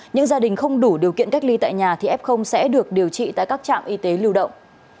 những gia đình không đủ điều kiện cách ly tại nhà thì f sẽ được điều trị tại các trạm y tế lưu động